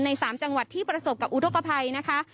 ๓จังหวัดที่ประสบกับอุทธกภัยนะคะ